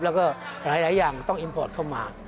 แล้วก็หลายอย่างต้องอิมพอร์ตเข้ามา